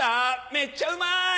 めっちゃうまい！